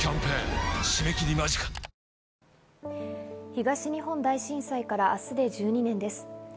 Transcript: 東日本大震災から明日で１２年です。